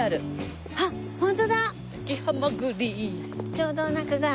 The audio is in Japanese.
ちょうどお腹が。